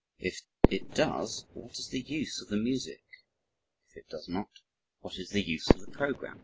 If it does, what is the use of the music, if it does not, what is the use of the program?